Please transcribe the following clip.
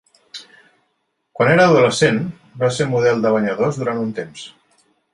Quan era adolescent, va ser model de banyadors durant un temps.